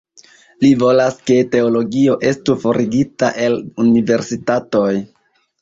Li volas, ke teologio estu forigita el universitatoj.